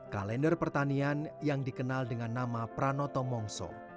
kalender pertanian yang dikenal dengan nama pranoto mongso